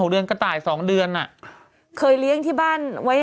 มันได้ต่างเกงไหม